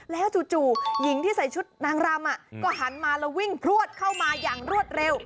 แล้วจู่หญิงที่ใส่ชุดนางรำก็หันมาแล้ววิ่งพลวดเข้ามาอย่างรวดเร็ว